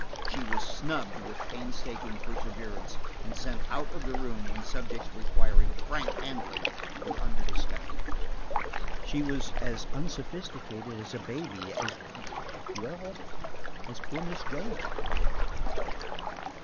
She was snubbed with painstaking perseverance, and sent out of the room when subjects requiring frank handling were under discussion. She was as unsophisticated as a baby, as–well, poor Miss Jane, again.